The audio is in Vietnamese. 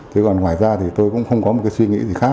thế còn ngoài ra thì tôi cũng không có một cái suy nghĩ gì khác